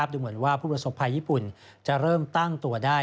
ดูเหมือนว่าผู้ประสบภัยญี่ปุ่นจะเริ่มตั้งตัวได้